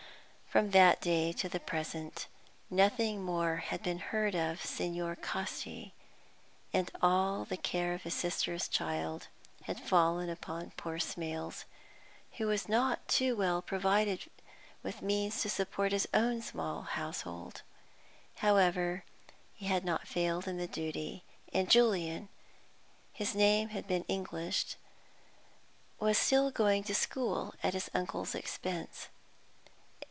From that day to the present nothing more had been heard of Signor Casti, and all the care of his sister's child had fallen upon poor Smales, who was not too well provided with means to support his own small household. However, he had not failed in the duty, and Julian (his name had been Englished) was still going to school at his uncle's expense.